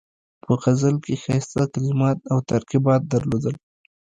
په غزل کې یې ښایسته کلمات او ترکیبات درلودل.